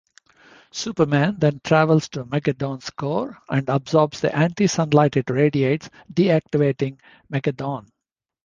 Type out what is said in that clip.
Superman then travels to Mageddon's core, and absorbs the anti-sunlight it radiates, deactivating Mageddon.